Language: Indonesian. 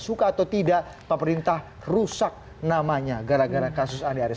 suka atau tidak pemerintah rusak namanya gara gara kasus andi arief